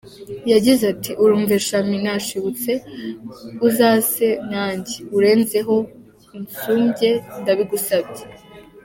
Yagize Ati “Urumve shami nashibutse, uzase nanjye urenzeho, unsumbye ndabigusabye.